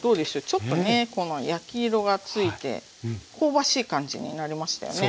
ちょっとねこの焼き色がついて香ばしい感じになりましたよね。